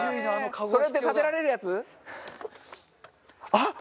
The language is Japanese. あっ！